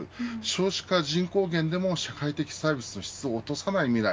少子化人口減でも社会的サービスの質を落とさない未来。